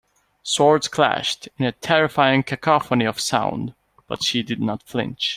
Swords clashed in a terrifying cacophony of sound but she did not flinch.